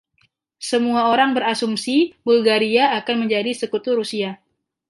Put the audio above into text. Semua orang berasumsi Bulgaria akan menjadi sekutu Rusia.